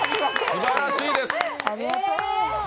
すばらしいです。